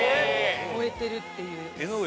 超えてるっていう江上